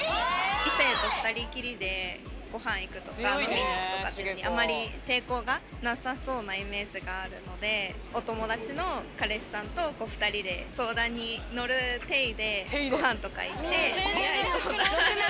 異性と２人きりでごはん行くとか飲みに行くとか、あまり抵抗がなさそうなイメージがあるので、お友達の彼氏さんと２人で相談に乗る体でごはんとか行って、つきあいそうな。